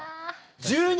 １２⁉